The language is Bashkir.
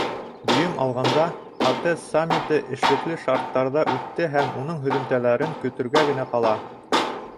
Дөйөм алғанда, АТЭС саммиты эшлекле шарттарҙа үтте һәм уның һөҙөмтәләрен көтөргә генә ҡала.